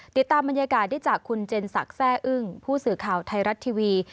ติดตามบรรยากาศได้จากคุณเจนศักดิ์แซ่อึ้งผู้สื่อข่าวไทยรัฐทีวี